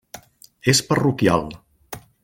És parroquial.